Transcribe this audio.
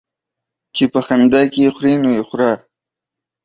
چي په خندا کې خورې ، نو يې خوره.